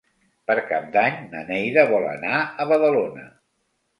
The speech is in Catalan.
Per Cap d'Any na Neida vol anar a Badalona.